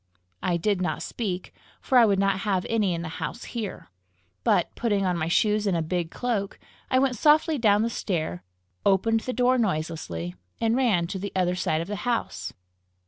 I did not speak, for I would not have any in the house hear; but, putting on my shoes and a big cloak, I went softly down the stair, opened the door noiselessly, and ran to the other side of the house.